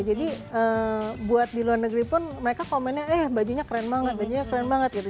jadi buat di luar negeri pun mereka komennya eh bajunya keren banget bajunya keren banget gitu